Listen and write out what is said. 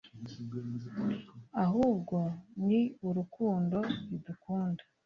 ahubwo ni urukundo idukunda